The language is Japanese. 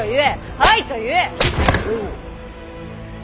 はいと言え。